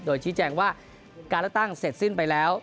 โดยชี้แจงว่าการเลือกตั้งเสร็จสิ้นไปแล้ว